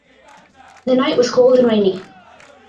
The night was cold and rainy.